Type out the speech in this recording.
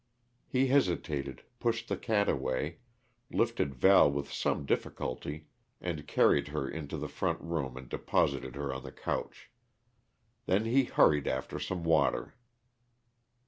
He hesitated, pushed the cat away, lifted Val with some difficulty, and carried her into the front room and deposited her on the couch. Then he hurried after some water.